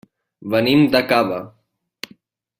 Venim de Cava.